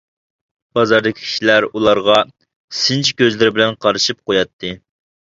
بازاردىكى كىشىلەر ئۇلارغا سىنچى كۆزلىرى بىلەن قارىشىپ قۇياتتى.